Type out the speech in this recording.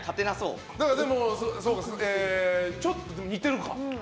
まあ、ちょっと似てるか。